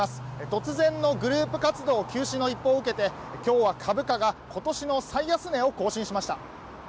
突然のグループ活動休止の一報を受けて今日は株価が今年の最安値を更新しました。